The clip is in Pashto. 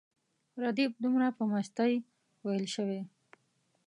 ردیف دومره په مستۍ ویل شوی.